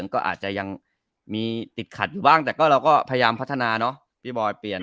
ก็อาจจะยังมีติดขัดอยู่บ้างแต่ก็เราก็พยายามพัฒนาเนอะพี่บอยเปลี่ยน